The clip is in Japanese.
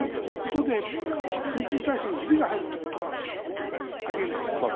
そのことでプーチン体制にひびが入るということはあり得ないですか。